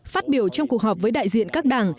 phát biểu trong cuộc họp với đại diện các đảng